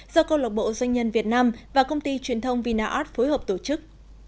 do công lộc bộ doanh nhân việt nam và công ty truyền thông vinaart phối hợp tổ chức